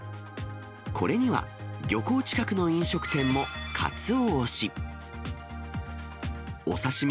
これには漁港近くの飲食店もカツオ推し。